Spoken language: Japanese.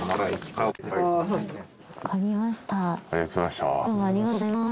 ありがとうございます。